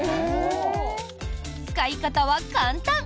使い方は簡単。